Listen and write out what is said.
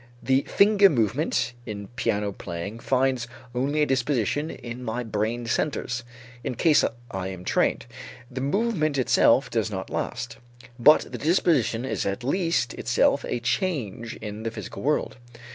The finger movement in piano playing finds only a disposition in my brain centers, in case I am trained; the movement itself does not last. But the disposition is at least itself a change in the physical world.